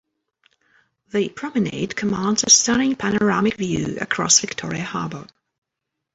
The promenade commands a stunning panoramic view across Victoria Harbour.